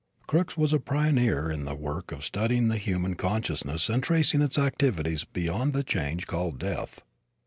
Crookes was a pioneer in the work of studying the human consciousness and tracing its activities beyond the change called death.